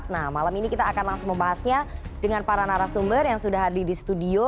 nah malam ini kita akan langsung membahasnya dengan para narasumber yang sudah hadir di studio